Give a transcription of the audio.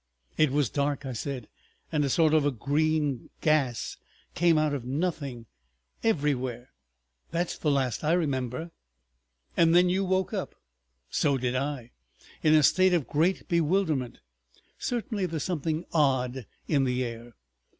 ..." "It was dark," I said, "and a sort of green gas came out of nothing everywhere. That is the last I remember." "And then you woke up? So did I. ... In a state of great bewilderment. Certainly there's something odd in the air.